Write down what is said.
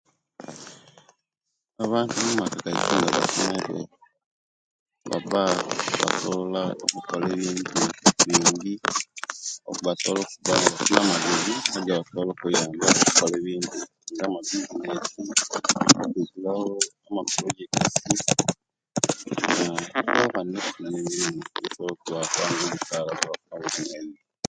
Abantu mumaka gaisu, nga basomere, baba basobobola okukola ebintu bingi; okuba baba bafuna amagezi, agasobola okubayamba okukola ebintu nga amabizinesi, okwigulawo amaporojekitis; naah na'bandi okufuna emirimu kisobola okubawa omusaala, okubayamba.